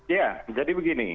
ya jadi begini